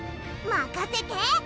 まかせて！